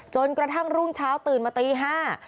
จนกระทั่งรุ่งเช้าตื่นมาตีห้า